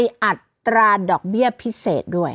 มีอัตราดอกเบี้ยพิเศษด้วย